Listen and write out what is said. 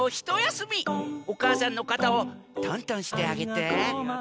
おかあさんのかたをとんとんしてあげて。